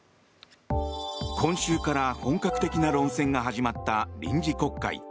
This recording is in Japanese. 今週から本格的な論戦が始まった臨時国会。